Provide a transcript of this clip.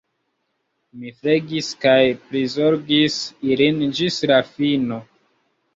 Mi flegis kaj prizorgis ilin ĝis la fino.